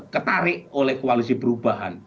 ketarik oleh koalisi perubahan